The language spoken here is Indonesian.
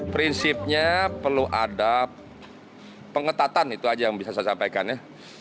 prinsipnya perlu ada pengetatan itu aja yang bisa saya sampaikan ya